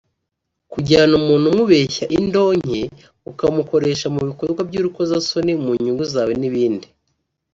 kujyana umuntu umubeshya indonke ukamukoresha mu bikorwa by’urukozasoni mu nyungu zawe n’ibindi